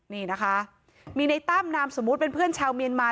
มีนายตั้มนามสมมติเป็นเพื่อนชาวเมียนมา